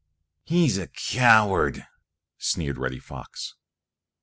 "He's a coward!" sneered Reddy Fox.